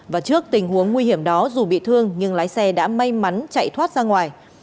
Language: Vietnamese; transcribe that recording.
và trước tình huống nguy hiểm đó dù bị thương nhưng lái xe đã may mắn chạy thoát ra ngoài